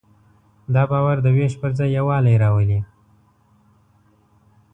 دا باور د وېش پر ځای یووالی راولي.